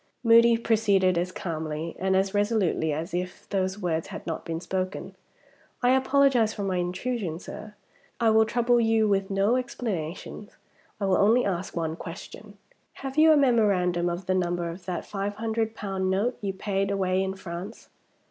Moody proceeded as calmly and as resolutely as if those words had not been spoken. "I apologize for my intrusion, sir. I will trouble you with no explanations. I will only ask one question. Have you a memorandum of the number of that five hundred pound note you paid away in France?"